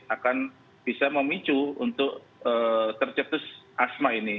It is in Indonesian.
akan bisa memicu untuk tercetus asma ini